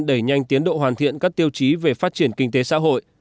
giúp tân uyên đẩy nhanh tiến độ hoàn thiện các tiêu chí về phát triển kinh tế xã hội